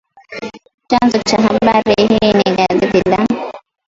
Chanzo cha habari hii ni gazeti la